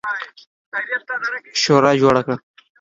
شورا جوړه کړه.